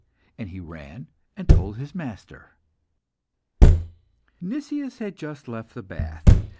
And he ran and told his master. Nicias had just left the bath.